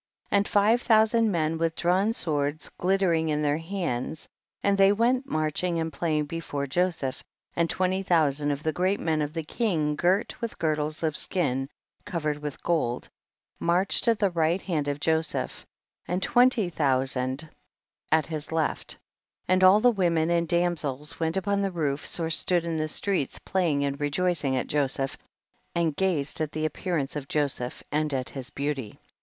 26. And five thousand men, with drawn swords glittering in their hands, and they went marching and playing before Joseph, and twenty thousand of the great men of the king girt with girdles of skin covered with gold, marched at the right hand of Joseph, and twenty thousand at his left, and all the women and damsels went upon the roofs or stood in the streets playing and rejoicing at Jo seph, and gazed at the appearance of Joseph and at his beauty.